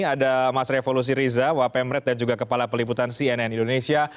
ada mas revo lusiriza wapemret dan juga kepala peliputan cnn indonesia